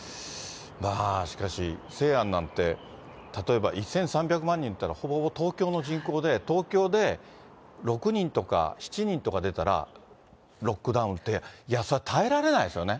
まあ、しかし、西安なんて、例えば１３００万人ってのは、ほぼほぼ東京の人口で、東京で６人とか、７人とか出たら、ロックダウンって、耐えられないですよね。